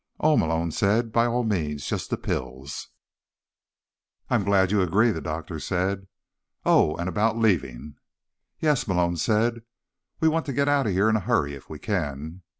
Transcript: "Oh," Malone said. "By all means. Just the pills." "I'm glad you agree," the doctor said. "Oh, and about leaving—" "Yes?" Malone said. "We want to get out of here in a hurry, if we can."